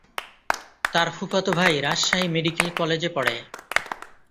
তার ফুফাতো ভাই রাজশাহী মেডিকেল কলেজে পড়ে।